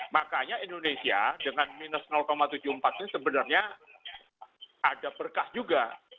makanya indonesia dengan minus tujuh puluh empat ini sebenarnya ada berkas juga